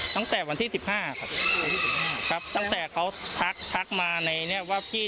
ตั้งแต่วันที่สิบห้าครับครับตั้งแต่เขาทักทักมาในเนี้ยว่าพี่